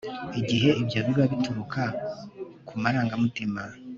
igihe ibyo biba bituruka ku marangamutima